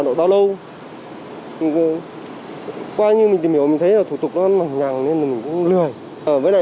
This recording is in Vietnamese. nội bao lâu qua như mình tìm hiểu thì mình thấy là thủ tục nó mỏng nhằng nên là mình cũng lười với lại